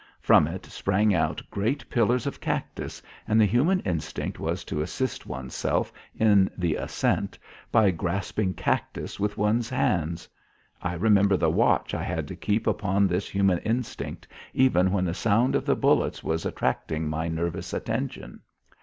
From it sprang out great pillars of cactus, and the human instinct was to assist one's self in the ascent by grasping cactus with one's hands. I remember the watch I had to keep upon this human instinct even when the sound of the bullets was attracting my nervous attention.